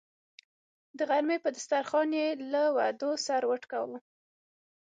د غرمې پر دسترخان یې له وعدو سر وټکاوه.